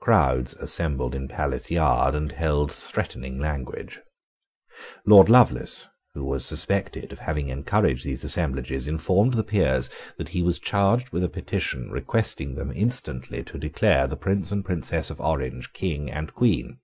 Crowds assembled in Palace Yard, and held threatening language. Lord Lovelace, who was suspected of having encouraged these assemblages, informed the Peers that he was charged with a petition requesting them instantly to declare the Prince and Princess of Orange King and Queen.